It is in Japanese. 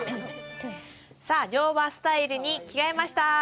さあ、乗馬スタイルに着がえました。